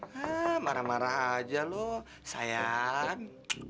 he marah marah aja lo sayang